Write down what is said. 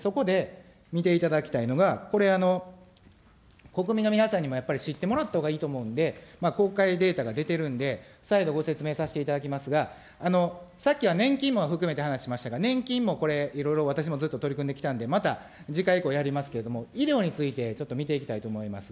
そこで、見ていただきたいのが、これ、国民の皆さんにもやっぱり知ってもらったほうがいいと思うんで、公開データが出てるんで、再度ご説明させていただきますが、さっきは年金も含めた話をしましたが、年金もこれ、いろいろ私もずっと取り組んできたんで、また、次回以降、やりますけれども、医療についてちょっと見ていきたいと思います。